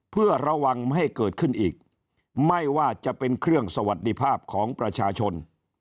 เพื่อระวังไม่ให้เกิดขึ้นอีกไม่ว่าจะเป็นเครื่องสวัสดิภาพของประชาชน